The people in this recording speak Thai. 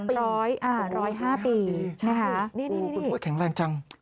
๑๐๕ปีอ๋อ๑๐๕ปีใช่ไหมคะคุณทวดแข็งแรงจังนี่